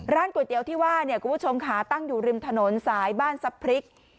ก๋วยเตี๋ยวที่ว่าเนี่ยคุณผู้ชมค่ะตั้งอยู่ริมถนนสายบ้านซับพริก